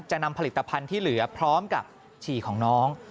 นำผลิตภัณฑ์ที่เหลือพร้อมกับฉี่ของน้อง